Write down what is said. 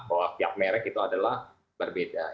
bahwa tiap merek itu adalah berbeda